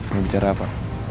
mau bicara apa